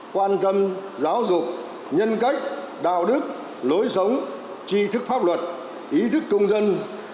quan tâm giáo dục nhân cách đạo đức lối sống tri thức pháp luật ý thức công dân